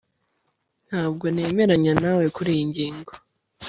ntabwo nemeranya nawe kuriyi ngingo